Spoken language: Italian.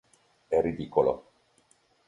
È ridicolo.